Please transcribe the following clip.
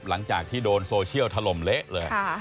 หลังจากที่โดนโซเชียลถล่มเละเลย